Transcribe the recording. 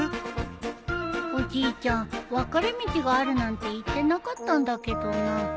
おじいちゃん分かれ道があるなんて言ってなかったんだけどな。